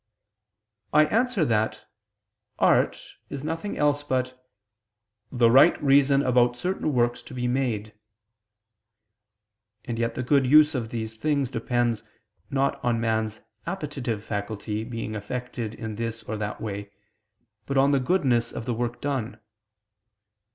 I answer that, Art is nothing else but "the right reason about certain works to be made." And yet the good of these things depends, not on man's appetitive faculty being affected in this or that way, but on the goodness of the work done.